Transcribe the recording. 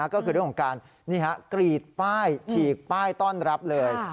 ก็คือเรื่องของการกรีดป้ายฉีกป้ายต้อนรับเลย